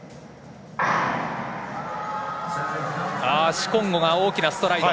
シコンゴ、大きなストライド。